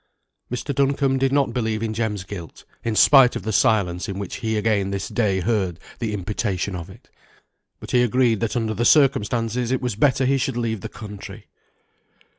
Mr. Duncombe did not believe in Jem's guilt, in spite of the silence in which he again this day heard the imputation of it; but he agreed that under the circumstances it was better he should leave the country.